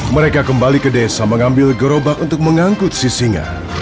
mereka kembali ke desa mengambil gerobak untuk mengangkut sisinga